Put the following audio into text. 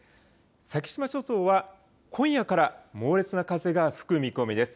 先島諸島は今夜から猛烈な風が吹く見込みです。